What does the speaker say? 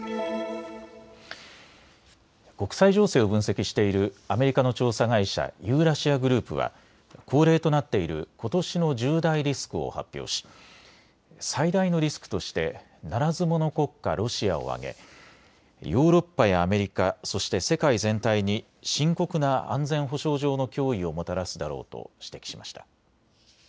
国際情勢を分析しているアメリカの調査会社、ユーラシア・グループは恒例となっていることしの１０大リスクを発表し最大のリスクとしてならず者国家ロシアを挙げ、ヨーロッパやアメリカ、そして世界全体に深刻な安全保障上の脅威をもたらすだろうと指摘しました。